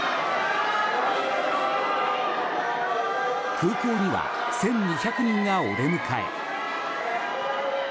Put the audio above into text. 空港には１２００人がお出迎え。